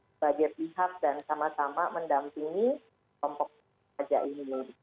sebagai pihak dan sama sama mendampingi kompok kerajaan ini